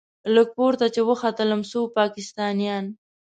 لږ پورته چې وختلم څو پاکستانيان.